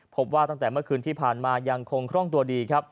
พบว่าตั้งแต่เมื่อคืนที่ผ่านมายังคงคล่องตัวดีครับ